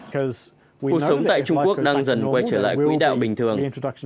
cuộc sống tại trung quốc đang dần quay trở lại quỹ đạo bình thường